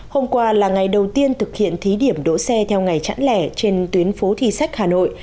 hôm qua là ngày đầu tiên thực hiện thí điểm đỗ xe theo ngày chẵn lẻ trên tuyến phố thi sách hà nội